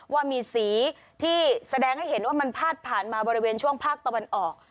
ว่ามีสีที่แสดงให้เห็นว่ามันพาดผ่านมาบริเวณช่วงภาคตะวันออก